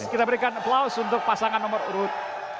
kita berikan aplaus untuk pasangan nomor urut dua